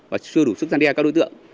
và chưa đủ sức gian đe các đối tượng